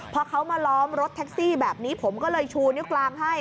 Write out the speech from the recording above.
พอเขามาล้อมรถแท็กซี่แบบนี้ผมก็เลยชูนิ้วกลางให้